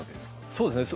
そうですね。